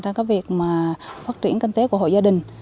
trong các việc phát triển cân tế của hội gia đình